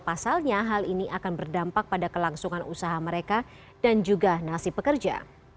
pasalnya hal ini akan berdampak pada kelangsungan usaha mereka dan juga nasib pekerja